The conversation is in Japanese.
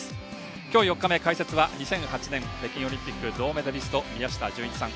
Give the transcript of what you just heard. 今日４日目、解説は２００８年北京オリンピック銅メダリスト、宮下純一さん。